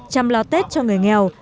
chăm lo tết cho người nghèo